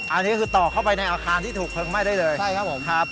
อันนี้คือต่อเข้าไปในอาคารที่ถูกเพลิงไหม้ได้เลยใช่ครับผมครับ